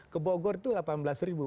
ke bogor itu delapan belas ribu